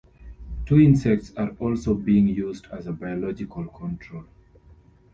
Two insects are also being used as a biological control.